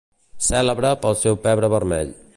Cèlebre pel seu pebre vermell.